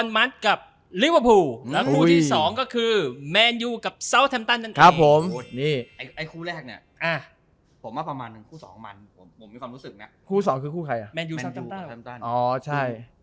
ไม่รู้รู้สึกว่าเขา